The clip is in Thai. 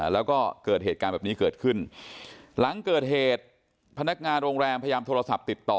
แล้วก็เกิดเหตุการณ์แบบนี้เกิดขึ้นหลังเกิดเหตุพนักงานโรงแรมพยายามโทรศัพท์ติดต่อ